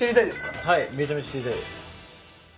めちゃめちゃ知りたいです。